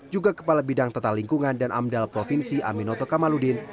juga kepala bidang tata lingkungan dan amdal provinsi aminoto kamaludin